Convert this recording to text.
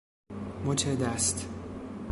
مچ دست